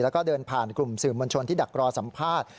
แล้วก็เดินผ่านกลุ่มสื่อมวลชนที่ดักรอสัมภาษณ์